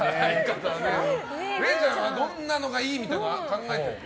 れいちゃんはどんなのがいいみたいなの考えてるの？